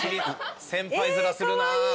先輩面するなぁ。